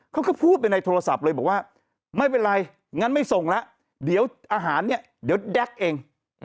เขาก็พูดไปในโทรศัพท์เลยบอกว่าไม่เป็นไรงั้นไม่ส่งแล้วเดี๋ยวอาหารเนี่ยเดี๋ยวแก๊กเอง